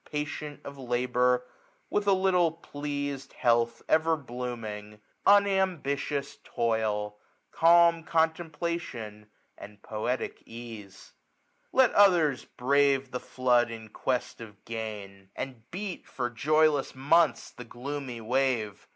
Patient of labour, with a little pleas'd ; Health ever blooming ; unambitious toil ;' Calm contemplation, and poetic ease. ^^75 Let others brave the flood in quest of gain. AUTUMN. i^ moi X989 1985 And bci^3 for joyless months, the gloomy wave.